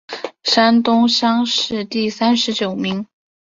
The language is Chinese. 山东乡试第三十九名。